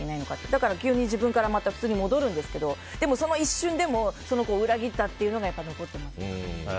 だから急に自分から普通に戻るんですけどでも、その一瞬でもその子を裏切ったというのが残ってますね。